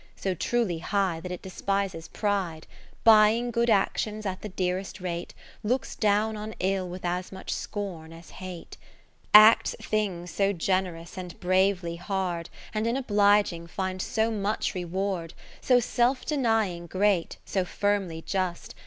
So truly high that it despises Pride ; Buying good actions at the dearest rate, Looks down on ill with as much scorn as hate; To the Ho?toured Lady E. C. Acts things so generous and bravely hard, And in obliging finds so much reward ; So self denying great, so firmly just.